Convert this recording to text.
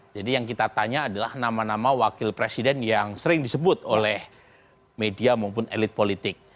jadi yang kita tanya adalah nama nama wakil presiden yang sering disebut oleh media maupun elit politik